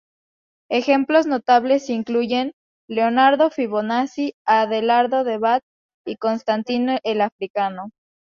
Ejemplos notables incluyen, Leonardo Fibonacci, Adelardo de Bath y Constantino el Africano.